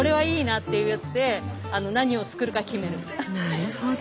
なるほど。